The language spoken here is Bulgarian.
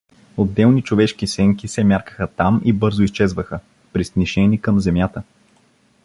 Отделни човешки сенки се мяркаха там и бързо изчезваха, приснишени към земята.